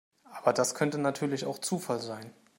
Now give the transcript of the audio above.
Aber das könnte natürlich auch Zufall sein.